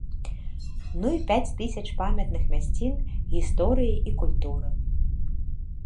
Ну і пяць тысяч памятных мясцін гісторыі і культуры.